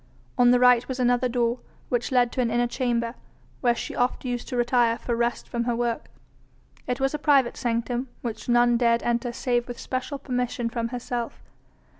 On the right was another door, which led to an inner chamber, where she oft used to retire for rest from her work. It was a private sanctum which none dared enter save with special permission from herself.